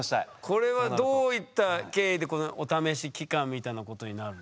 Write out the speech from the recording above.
これはどういった経緯でこのお試し期間みたいなことになる？